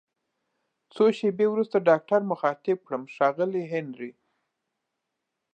څو شیبې وروسته ډاکټر مخاطب کړم: ښاغلی هنري!